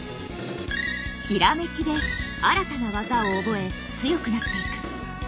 「閃き」で新たな技を覚え強くなっていく。